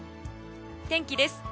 天気です。